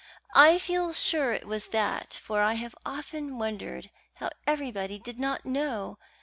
"I feel sure it was that, for I have often wondered how everybody did not know.